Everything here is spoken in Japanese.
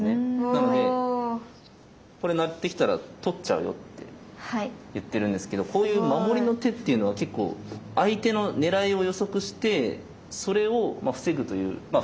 なのでこれ成ってきたら取っちゃうよっていってるんですけどこういう守りの手っていうのは結構相手の狙いを予測してそれを防ぐというまあ